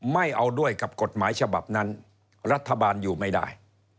ไม่เอาด้วยกับกฎหมายฉบับนั้นรัฐบาลอยู่ไม่ได้